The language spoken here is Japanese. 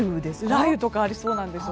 雷雨とかもありそうです。